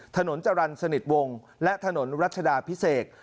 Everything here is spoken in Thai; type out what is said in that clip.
ถนนจรรย์สนิทวงและถนนรัชดาพิเศษ